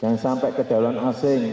jangan sampai kedahuluan asing